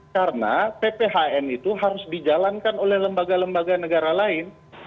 karena pphn itu harus dijalankan oleh lembaga lembaga negara lain